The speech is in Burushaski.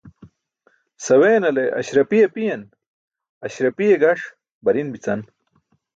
Saweenale ásrapi apiyen, aśrapiye gaṣ bari̇n bi̇can.